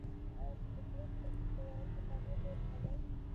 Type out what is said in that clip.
آیا په حجره کې د کیسو ویل پخوانی دود نه دی؟